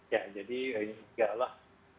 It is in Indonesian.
ya jadi hinggalah